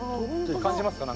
感じますか？